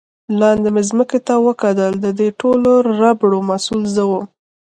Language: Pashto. لاندې مې ځمکې ته وکتل، د دې ټولو ربړو مسؤل زه ووم.